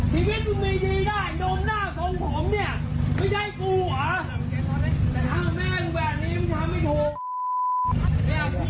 ทีวิชมีทีได้ดมหน้าสมของเนี่ยไม่ใช่กูอ่ะ